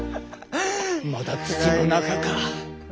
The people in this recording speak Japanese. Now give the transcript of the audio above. まだ土の中か。